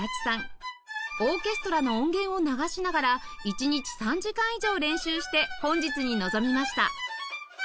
オーケストラの音源を流しながら一日３時間以上練習して本日に臨みました